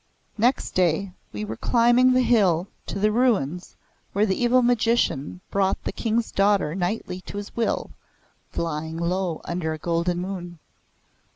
Next day we were climbing the hill to the ruins where the evil magician brought the King's daughter nightly to his will, flying low under a golden moon.